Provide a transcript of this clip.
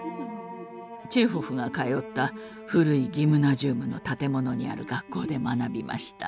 チェーホフが通った古いギムナジウムの建物にある学校で学びました。